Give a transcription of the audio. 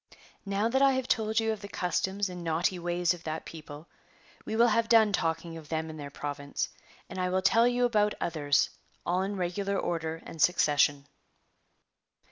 '° Now that I have told you of the customs and naughty ways of that people, we will have done talking of them and their province, and I will tell you about others, all in regular order and succession.